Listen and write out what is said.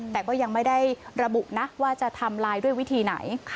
แต่ก็ยังไม่ได้ระบุนะว่าจะทำลายด้วยวิธีไหน